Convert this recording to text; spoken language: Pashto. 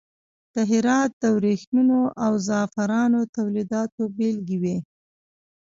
د هرات د وریښمو او زغفرانو تولیداتو بیلګې وې.